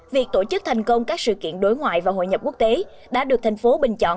việc tổ chức thành công các sự kiện đối ngoại và hội nhập quốc tế đã được thành phố bình chọn